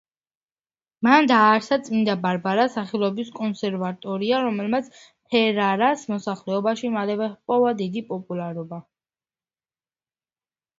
მან დააარსა წმინდა ბარბარას სახელობის კონსერვატორია, რომელმაც ფერარას მოსახლეობაში მალევე ჰპოვა დიდი პოპულარობა.